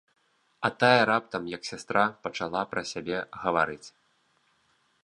А тая раптам, як сястра, пачала пра сябе гаварыць.